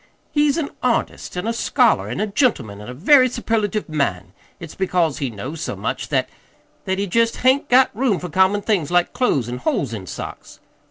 He's an artist an' a scholar an' a gentleman, an' a very superlative man. It's because he knows so much that that he jest hain't got room for common things like clothes an' holes in socks."